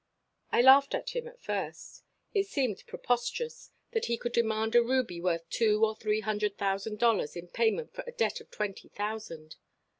"I laughed at him at first. It seemed preposterous that he could demand a ruby worth two or three hundred thousand dollars in payment for a debt of twenty thousand.